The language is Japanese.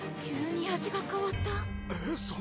急に味がかわったえっ？